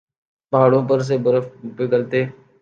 پہاڑوں پر سے برف پگھلتے